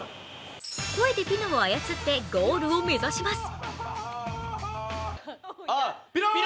声でピノを操ってゴールを目指します。